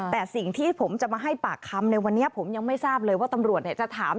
แต่สิ่งที่ผมจะมาให้ปากคำในวันนี้ผมยังไม่ทราบเลยว่าตำรวจจะถาม